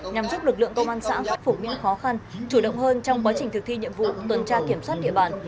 nhằm giúp lực lượng công an xã khắc phục những khó khăn chủ động hơn trong quá trình thực thi nhiệm vụ tuần tra kiểm soát địa bàn